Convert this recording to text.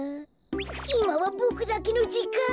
いまはボクだけのじかん。